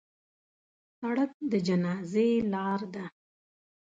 سړک د جنازې لار ده.